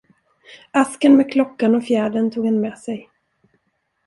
Asken med klockan och fjädern tog han med sig.